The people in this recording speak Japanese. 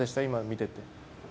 見ていて。